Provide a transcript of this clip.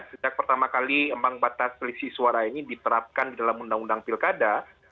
sejak pertama kali ambang batas selisih suara ini diterapkan di dalam undang undang pilkada